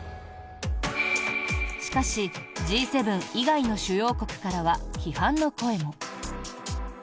しかし、Ｇ７以外の主要国からは批判の声も。